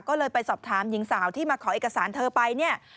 ก็เลยไปสอบถามหญิงสาวที่มาขอเอกสารเธอไปเนี่ย